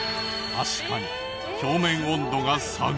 確かに表面温度が下がった。